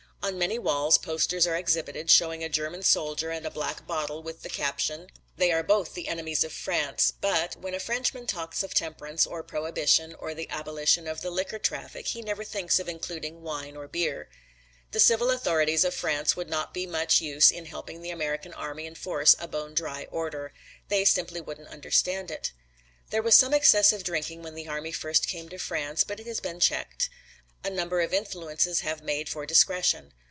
On many walls posters are exhibited showing a German soldier and a black bottle with the caption, "They are both the enemies of France," but when a Frenchman talks of temperance or prohibition or the abolition of the liquor traffic he never thinks of including wine or beer. The civil authorities of France would not be much use in helping the American army enforce a bone dry order. They simply wouldn't understand it. There was some excessive drinking when the army first came to France but it has been checked. A number of influences have made for discretion.